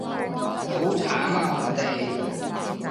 好慘啊我哋